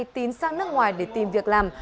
tín sang nước ngoài để tìm việc làm